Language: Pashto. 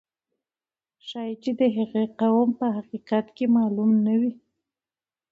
ښایي چې د هغې قوم په حقیقت کې معلوم نه وي.